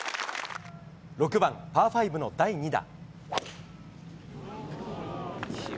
６番、パー５の第２打。